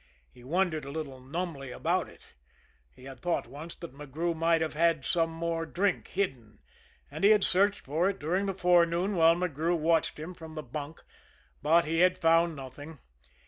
He wondered a little numbly about it. He had thought once that McGrew might have had some more drink hidden, and he had searched for it during the forenoon while McGrew watched him from the bunk; but he had found nothing.